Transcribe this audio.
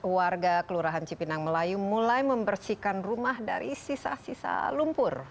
warga kelurahan cipinang melayu mulai membersihkan rumah dari sisa sisa lumpur